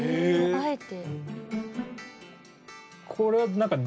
あえて。